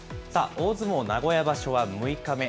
大相撲名古屋場所は６日目。